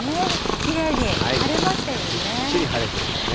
きれいに晴れましたよね。